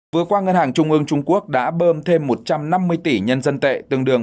vừa qua ngân hàng trung ương trung quốc đã bơm thêm một trăm năm mươi tỷ nhân dân tệ tương đương